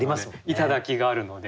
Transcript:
いただきがあるので。